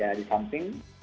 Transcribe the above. ya di samping